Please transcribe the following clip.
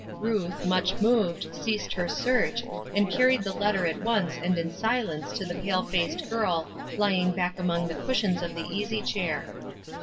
Ruth, much moved, ceased her search, and carried the letter at once and in silence to the pale faced girl lying back among the cushions of the easy chair.